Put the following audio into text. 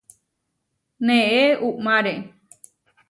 Neé uʼmáre.